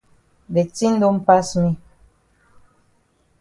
De tin don pass me.